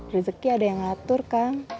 rezeki ada yang ngatur kang